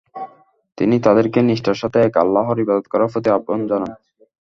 তিনি তাদেরকে নিষ্ঠার সাথে এক আল্লাহর ইবাদত করার প্রতি আহ্বান জানান।